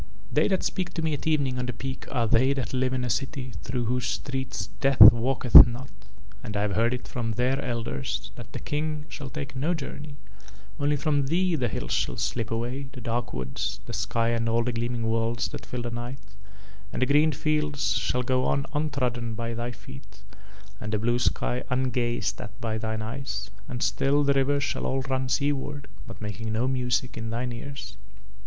"They that speak to me at evening on the Peak are They that live in a city through whose streets Death walketh not, and I have heard it from Their Elders that the King shall take no journey; only from thee the hills shall slip away, the dark woods, the sky and all the gleaming worlds that fill the night, and the green fields shall go on untrodden by thy feet and the blue sky ungazed at by thine eyes, and still the rivers shall all run seaward but making no music in thine ears.